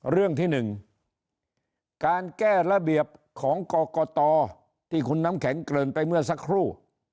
เรื่องที่๑การแก้ระเบียบของกรกตที่คุณน้ำแข็งเกินไปเมื่อสักครู่